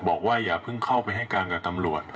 อย่าเพิ่งเข้าไปให้การกับตำรวจ